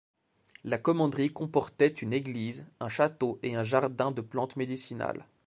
La commanderie comportait une église, un château, et un jardin de plantes médicinales.